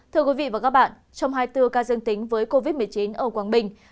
thưa quý vị và các bạn trong hai mươi bốn ca dương tính với covid một mươi chín ở quảng bình